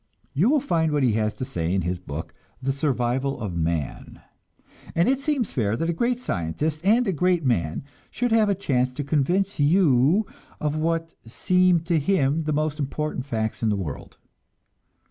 You will find what he has to say in his book, "The Survival of Man," and it seems fair that a great scientist and a great man should have a chance to convince you of what seem to him the most important facts in the world.